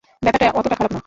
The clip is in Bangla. ব্যাপারটা অতোটা খারাপ না।